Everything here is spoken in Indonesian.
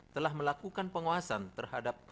telah melakukan penguasaan terhadap